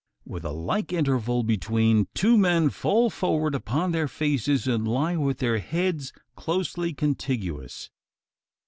With a like interval between, two men fall forward upon their faces; and lie with their heads closely contiguous!